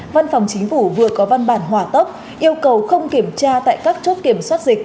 văn phòng chính phủ vừa có văn bản hỏa tốc yêu cầu không kiểm tra tại các chốt kiểm soát dịch